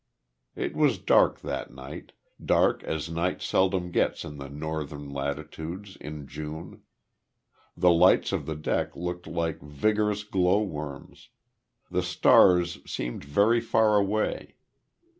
It was dark that night dark as night seldom gets in the northern latitudes, in June. The lights of the deck looked like vigorous glowworms. The stars seemed very far away.